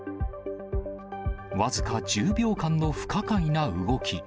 僅か１０秒間の不可解な動き。